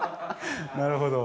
なるほど。